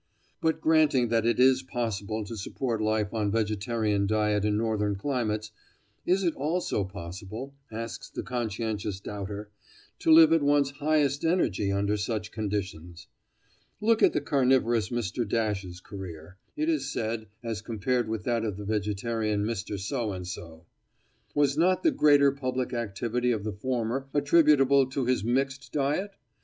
But granting that it is possible to support life on vegetarian diet in northern climates, is it also possible, asks the conscientious doubter, to live at one's highest energy under such conditions? Look at the carnivorous Mr. Dash's career, it is said, as compared with that of the vegetarian Mr. So and So! Was not the greater public activity of the former attributable to his mixed diet?